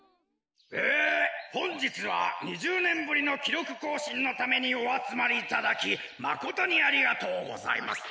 えほんじつは２０ねんぶりのきろくこうしんのためにおあつまりいただきまことにありがとうございます。